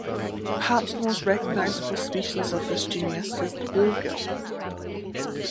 Perhaps the most recognizable species of this genus is the bluegill.